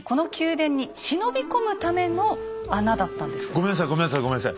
ごめんなさいごめんなさいごめんなさい。